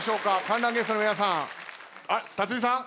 観覧ゲストの皆さん。